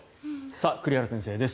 栗原先生です。